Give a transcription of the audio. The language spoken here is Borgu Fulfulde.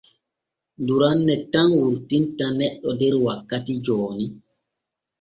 Duranne tan wurtinta neɗɗo der wakkati jooni.